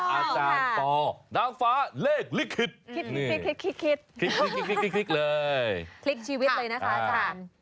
อาจารย์ปอนางฟ้าเลขลิขิตคิดเลยพลิกชีวิตเลยนะคะอาจารย์